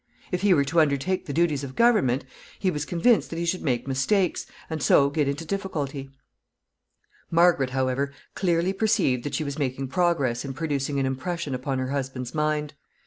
If he were to undertake the duties of government, he was convinced that he should make mistakes, and so get into difficulty. [Sidenote: Henry listens to her counsels.] Margaret, however, clearly perceived that she was making progress in producing an impression upon her husband's mind.